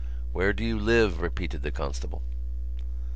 "Where do you live?" repeated the constable.